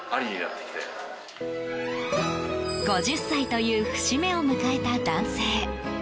５０歳という節目を迎えた男性。